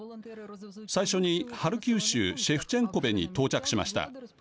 最初にハルキウ州シェフチェンコベに到着しました。